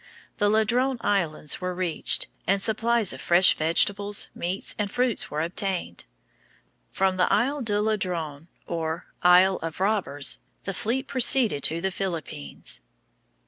The Ladrone Islands were reached, and supplies of fresh vegetables, meats, and fruits were obtained. From the Isles de Ladrones, or "Isles of Robbers," the fleet proceeded to the Philippines.